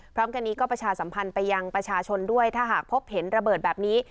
พร้อมกันนี้ก็ประชาสัมพันธ์ไปยังประชาชนด้วยถ้าหากพบเห็นระเบิดแบบนี้